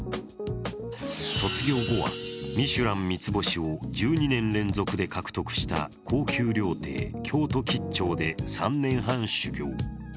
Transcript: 卒業後はミシュラン三つ星を１２年連続で獲得した高級料亭・京都吉兆で３年半修行。